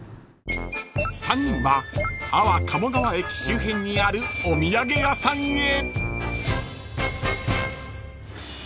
［３人は安房鴨川駅周辺にあるお土産屋さんへ］